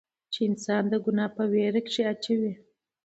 چې انسان د ګناه پۀ وېره کښې اچوي